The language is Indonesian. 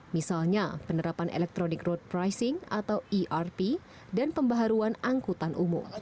misalnya penerapan electronic road pricing atau erp dan pembaharuan angkutan umum